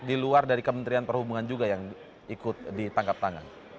di luar dari kementerian perhubungan juga yang ikut ditangkap tangan